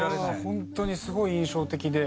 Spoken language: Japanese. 本当にすごい印象的で。